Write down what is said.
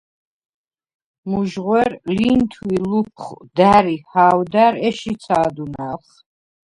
მუჟღუ̂ერ, ლინთუ̂ ი ლუფხუ̂ და̈რ ი ჰაუ̂და̈რ ეშ იცა̄დუნა̄̈ლხ.